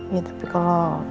ya tapi kalau